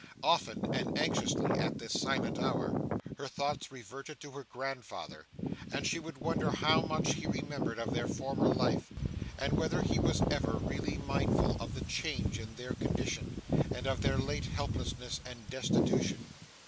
Often and anxiously at this silent hour, her thoughts reverted to her grandfather, and she would wonder how much he remembered of their former life, and whether he was ever really mindful of the change in their condition and of their late helplessness and destitution.